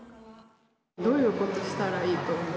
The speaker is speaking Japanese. どういうことをしたらいいと思う。